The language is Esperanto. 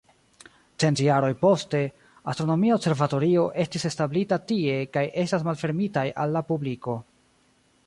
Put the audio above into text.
Cent jaroj poste, astronomia observatorio estis establita tie kaj estas malfermitaj al la publiko.